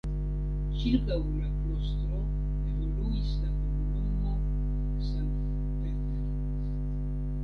Ĉirkaŭ la klostro evoluis la komunumo St. Peter.